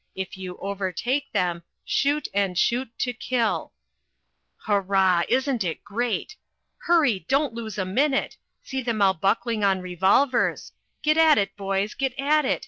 IF YOU OVERTAKE THEM, SHOOT AND SHOOT TO KILL." Hoorah! Isn't it great hurry! don't lose a minute see them all buckling on revolvers get at it, boys, get at it!